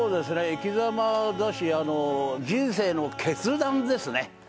いきざまだし、人生の決断ですね。